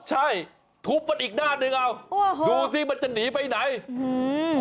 ใช่ทุบมันอีกด้านหนึ่งเอาโอ้โหดูสิมันจะหนีไปไหนอืม